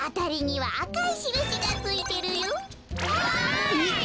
はい。